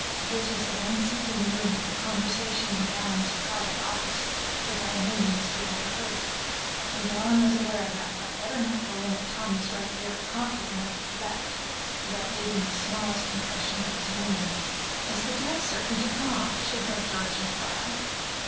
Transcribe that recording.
His was the one seat in the room where conversation in Gallon's private office could by any means be overheard; and Gallon was aware that whatever might go in at Tommy's right ear promptly went out at the left, without leaving the smallest impression of its meaning. "Is the deal certain to come off?" she heard George inquire.